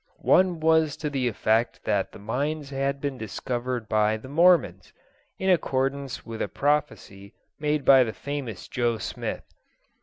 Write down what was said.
One was to the effect that the mines had been discovered by the Mormons, in accordance with a prophecy made by the famous Joe Smith.